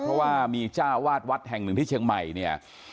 เพราะว่ามีจ้าวาดวัดแห่งหนึ่งที่เชียงใหม่เนี่ย